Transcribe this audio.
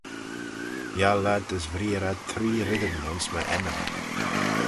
Yiall ad as vreear ad tree reddyn ayns my ennym.